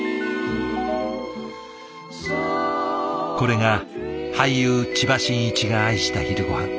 これが俳優千葉真一が愛した昼ごはん。